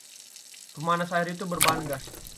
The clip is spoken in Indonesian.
Pemanas air itu berbahan bakar gas.